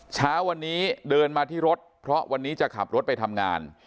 เช้าวันนี้เดินมาที่รถเพราะวันนี้จะขับรถไปทำงาน